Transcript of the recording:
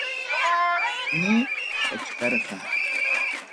Pasakunayñam kachkarqa.